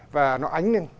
và nó ánh lên